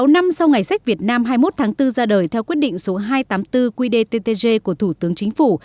sáu năm sau ngày sách việt nam hai mươi một tháng bốn ra đời theo quyết định số hai trăm tám mươi bốn qdttg của thủ tướng chính phủ